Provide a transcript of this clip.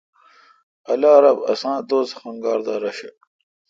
اللہ رب آسان دوزخ انگار دا رݭہ۔